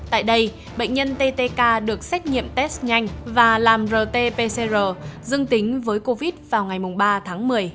tại đây bệnh nhân ttk được xét nghiệm test nhanh và làm rt pcr dương tính với covid vào ngày ba tháng một mươi